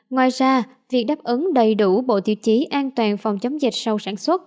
ngoài ra việc đáp ứng đầy đủ bộ tiêu chí an toàn phòng chống dịch sau sản xuất